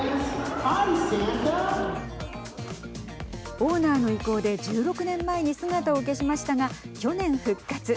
オーナーの意向で１６年前に姿を消しましたが去年、復活。